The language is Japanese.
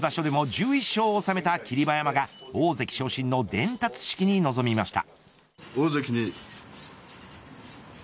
１１勝を収めた霧馬山が大関昇進の伝達式に臨みました。